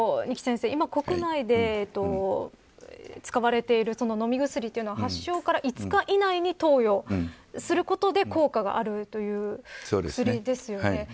二木先生、ただ今国内で使われている飲み薬というものは発症から５日以内に投与することで効果があるという薬ですよね。